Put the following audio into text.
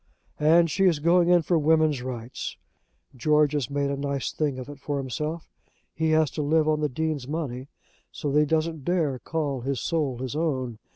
"And she is going in for women's rights! George has made a nice thing of it for himself. He has to live on the Dean's money, so that he doesn't dare to call his soul his own.